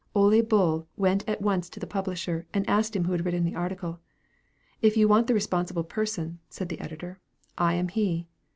Ole Bull went at once to the publisher and asked who had written the article. "If you want the responsible person," said the editor, "I am he."